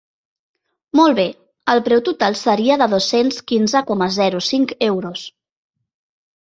Molt bé, el preu total seria de dos-cents quinze coma zero cinc euros.